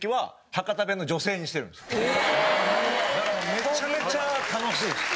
めちゃめちゃ楽しいですよ。